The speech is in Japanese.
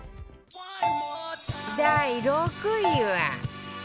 第６位は